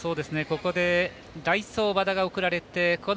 ここで代走和田が送られました。